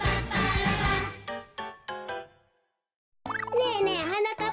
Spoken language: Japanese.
ねえねえはなかっ